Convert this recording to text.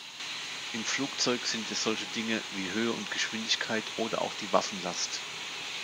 Im Flugzeug sind es solche Dinge, wie Höhe und Geschwindigkeit oder auch die Waffenlast.